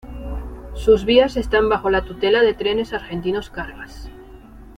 Sus vías están bajo la tutela de Trenes Argentinos Cargas.